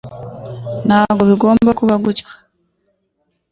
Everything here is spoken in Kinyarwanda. Ntabwo bigomba kuba gutya